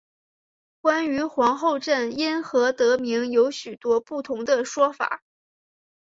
关于皇后镇因何得名有很多不同的说法。